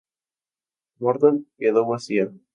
Mordor quedó vacía.